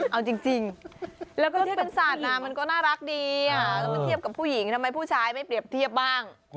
เอาจริงแล้วก็ที่เป็นสัตว์มันก็น่ารักดีแล้วมันเทียบกับผู้หญิงทำไมผู้ชายไม่เปรียบเทียบบ้าง